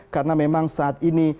karena memang saat ini